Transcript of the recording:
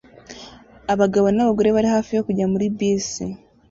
Abagabo n'abagore bari hafi yo kujya muri bisi